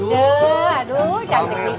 ije aduh cantik bisa